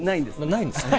ないです。